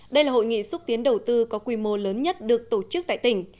đây là hội nghị xúc tiến đầu tư có quy mô lớn nhất được tổ chức tại tỉnh